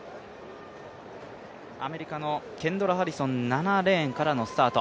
アメリカのケンドラ・ハリソン、７レーンからのスタート。